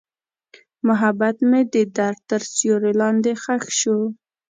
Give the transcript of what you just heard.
محبت مې د درد تر سیوري لاندې ښخ شو.